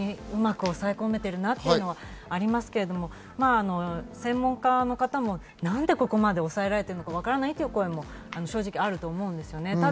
数を見てもうまく抑え込めているなというのがありますけど、専門家の方もなんでここまで抑えられているかわからないという声も正直あると思うんですね。